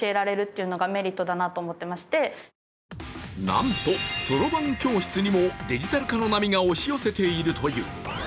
なんと、そろばん教室にもデジタル化の波が押し寄せているという。